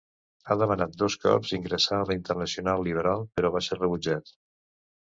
Ha demanat dos cops ingressar a la Internacional Liberal, però va ser rebutjat.